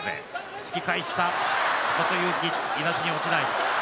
突き返した琴勇輝いなしに落ちない。